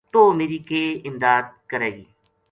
توہ میری کے امداد کرے گی